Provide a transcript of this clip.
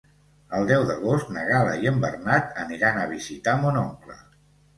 El deu d'agost na Gal·la i en Bernat aniran a visitar mon oncle.